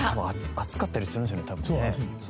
「熱かったりするんですよね多分ね」